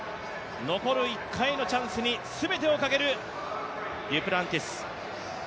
残る１回のチャンスにすべてをかけるデュプランティス。